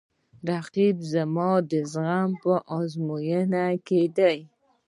رقیب زما د زغم په ازموینه کې دی